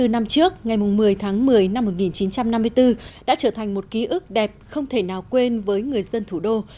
bốn mươi năm trước ngày một mươi tháng một mươi năm một nghìn chín trăm năm mươi bốn đã trở thành một ký ức đẹp không thể nào quên với người dân thủ đô